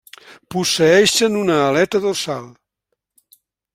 Posseeixen una aleta dorsal.